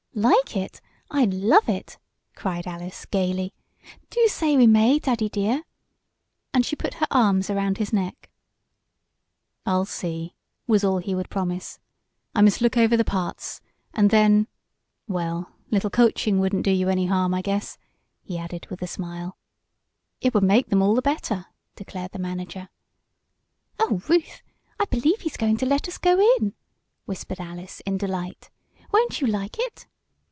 "Like it? I'd love it!" cried Alice, gaily, "Do say we may, Daddy dear!" and she put her arms around his neck. "I'll see," was all he would promise. "I must look over the parts, and then well, little coaching wouldn't do you any harm, I guess," he added with a smile. "It would make them all the better," declared the manager. "Oh, Ruth! I believe he's going to let us go in!" whispered Alice in delight. "Won't you like it?"